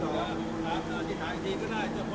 สวัสดีครับ